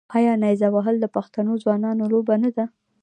آیا نیزه وهل د پښتنو ځوانانو لوبه نه ده؟